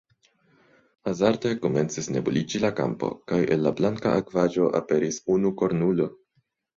Hazarde, komencis nebuliĝi la kampo, kaj el la blanka akvaĵo aperis unukornulo!